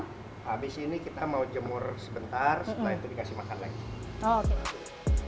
habis ini kita mau jemur sebentar setelah itu dikasih makan lagi